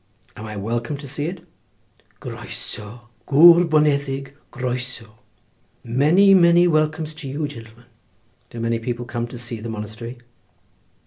"Am I welcome to see it?" "Croesaw! gwr boneddig, croesaw! many, many welcomes to you, gentleman!" "Do many people come to see the monastery?"